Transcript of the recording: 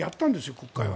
国会は。